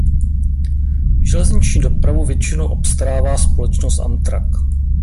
Železniční dopravu většinou obstarává společnost Amtrak.